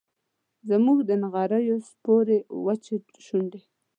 زموږ د نغریو سپورې وچې شونډي